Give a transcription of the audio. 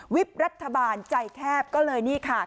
รัฐบาลใจแคบก็เลยนี่ค่ะ